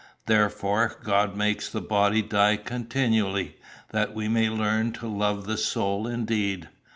Therefore, God makes the body die continually, that we may learn to love the soul indeed.